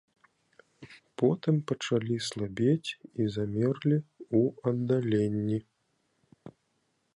Потым пачалі слабець і замерлі ў аддаленні.